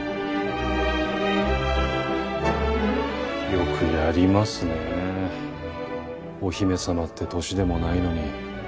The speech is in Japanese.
よくやりますねお姫さまって年でもないのに。